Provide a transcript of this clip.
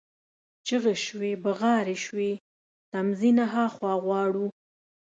چیغي شوې، بغارې شوې: تمځي نه ها خوا غواړو،